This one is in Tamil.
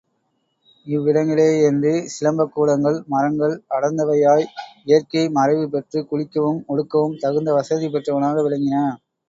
இவ்விடங்களேயன்றிச் சிலம்பக் கூடங்கள் மரங்கள் அடர்ந்தவையாய், இயற்கை மறைவு பெற்றுக் குளிக்கவும், உடுக்கவும், தகுந்த வசதி பெற்றனவாக விளங்கின.